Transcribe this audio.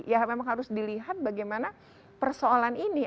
ya memang harus dilihat bagaimana persoalan ini